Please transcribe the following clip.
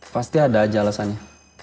pasti ada aja alasannya